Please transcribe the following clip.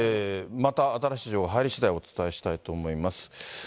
また新しい情報が入りしだい、お伝えしたいと思います。